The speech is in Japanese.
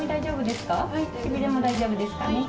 しびれも大丈夫ですかね。